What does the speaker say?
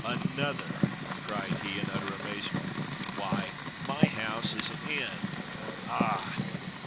"Another!" cried he in utter amazement; "why my house is an inn. Ah!"